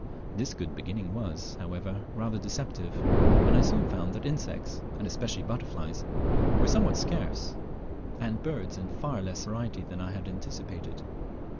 This good beginning was, however, rather deceptive, and I soon found that insects, and especially butterflies, were somewhat scarce, and birds in tar less variety than I had anticipated.